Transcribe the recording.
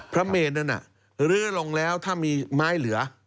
พระเมนนั้นเลื้อลงแล้วถ้ามีไม้เหลือ